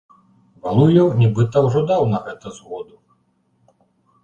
Валуеў, нібыта, ужо даў на гэта згоду.